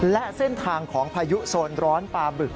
และเส้นทางของพายุโซนร้อนปลาบึก